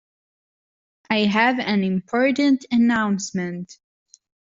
I have an important announcement